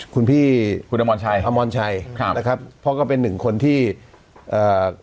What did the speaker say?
คุณพี่คุณอมรชัยอมรชัยครับนะครับพ่อก็เป็นหนึ่งคนที่เอ่อ